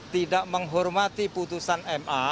tidak menghormati putusan ma